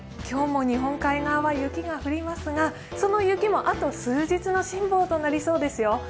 今日も日本海側は雪が降りますが、その雪もあと数日の辛抱となりそうですよ。